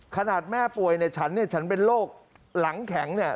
ขนาดแม่ป่วยเนี่ยฉันเนี่ยฉันเป็นโรคหลังแข็งเนี่ย